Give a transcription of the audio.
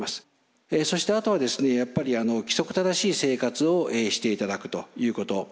そしてあとはやっぱり規則正しい生活をしていただくということ。